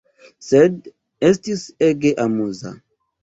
Sed, estis ege amuza.